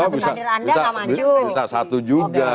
bisa satu juga